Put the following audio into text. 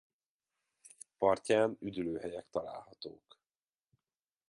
Partján üdülőhelyek találhatók.